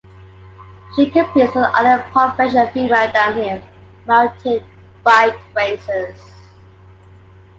She competes with other professional female downhill mountain bike racers.